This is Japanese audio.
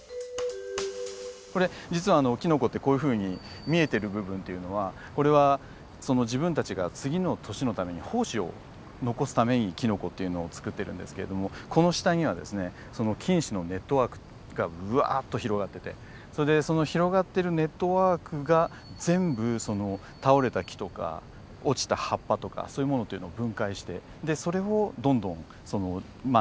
これ実はキノコってこういうふうに見えてる部分っていうのはこれは自分たちが次の年のために胞子を残すためにキノコっていうのをつくってるんですけれどもこの下にはですねその菌糸のネットワークがうわっと広がっててそれでその広がってるネットワークが全部その倒れた木とか落ちた葉っぱとかそういうものというのを分解してでそれをどんどんそのまあ何て言うんでしょうかね